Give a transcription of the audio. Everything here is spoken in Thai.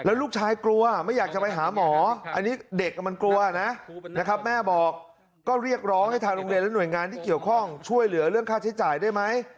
ลูกชายกลัวไม่อยากจะไปหาหมออันนี้เด็กมันกลัวนะนะครับแม่บอกก็เรียกร้องให้ทางโรงเรียนและหน่วยงานที่เกี่ยวข้องช่วยเหลือเรื่องค่าใช้จ่ายได้ไหม